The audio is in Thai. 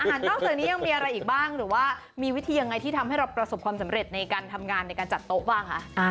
นอกจากนี้ยังมีอะไรอีกบ้างหรือว่ามีวิธียังไงที่ทำให้เราประสบความสำเร็จในการทำงานในการจัดโต๊ะบ้างคะ